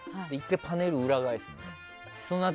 １回パネル裏返すのよ。